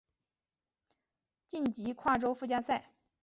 晋级跨洲附加赛。